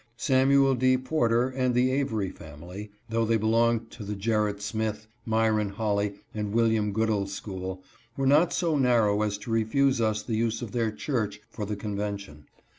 Samuel D. Porter and the Avery family, though they belonged to the Gerrit Smith, Myron Holly, and William Goodell school, were not so narrow as to refuse us the use of their church for the convention.